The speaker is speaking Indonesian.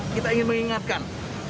kita ingin mengingatkan